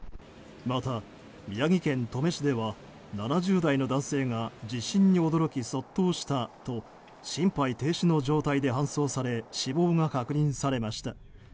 また、宮城県登米市では７０代の男性が地震に驚き卒倒したと心肺停止の状態で搬送され死亡が確認されました。